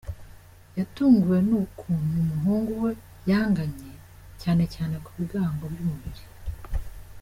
Yatunguwe n’ukuntu umuhungu we yangannye cyane cyane ku bigango by’umubiri.